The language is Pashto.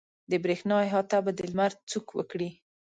د برېښنا احاطه به د لمر څوک وکړي.